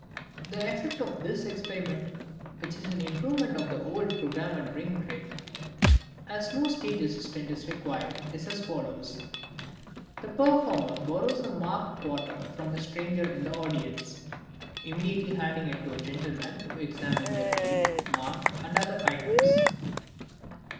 —The effect of this experiment, which is an improvement on the old "programme and ring" trick, as no stage assistant is required, is as follows: The performer borrows a marked quarter from a stranger in the audience, immediately handing it to a gentleman to examine the mark, date, and other items.